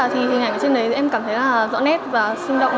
thì hình ảnh ở trên đấy em cảm thấy rõ nét và sinh động